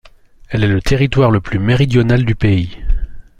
Elle est le territoire le plus méridional du pays.